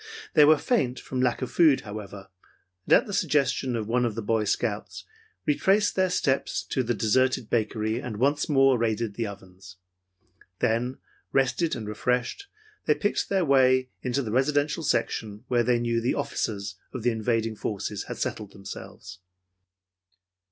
They were faint from lack of food, however, and at the suggestion of one of the Boy Scouts, retraced their steps to the deserted bakery and once more raided the ovens. Then, rested and refreshed, they picked their way into the residential section where they knew the officers of the invading forces had settled themselves.